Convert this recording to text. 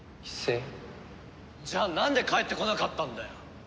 じゃあなんで帰ってこなかったんだよ！？